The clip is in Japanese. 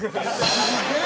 すげえ！